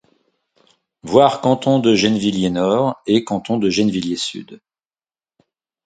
Voir Canton de Gennevilliers-Nord et Canton de Gennevilliers-Sud.